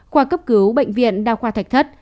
khoa cấp cứu bệnh viện đào khoa thạch thất